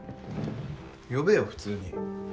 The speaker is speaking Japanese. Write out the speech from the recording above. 呼べよ普通に。